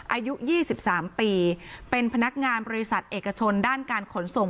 อายุ๒๓ปีเป็นพนักงานบริษัทเอกชนด้านการขนส่ง